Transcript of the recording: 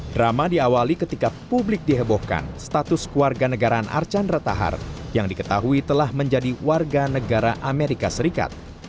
drama diawali ketika publik dihebohkan status keluarga negaraan archandra tahar yang diketahui telah menjadi warga negara amerika serikat